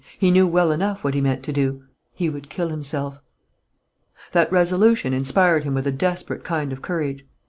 He knew well enough what he meant to do: he would kill himself. That resolution inspired him with a desperate kind of courage.